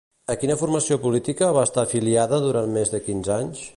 A quina formació política va estar afiliada durant més de quinze anys?